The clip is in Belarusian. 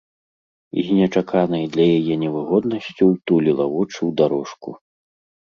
І з нечаканай для яе невыгоднасцю ўтуліла вочы ў дарожку.